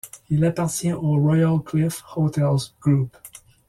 Il appartient au Royal Cliff Hotels Group.